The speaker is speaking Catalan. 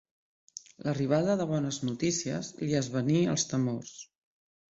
L'arribada de bones notícies li esvaní els temors.